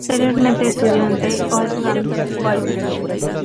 Posteriormente estudió en The Oldham College.